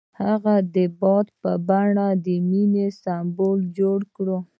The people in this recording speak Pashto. هغه د باد په بڼه د مینې سمبول جوړ کړ.